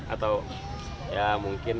atau ya mungkin